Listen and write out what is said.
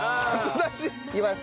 いきます。